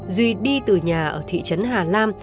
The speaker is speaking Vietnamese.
duy vội quay trở ra thì ông thống phát hiện ra duy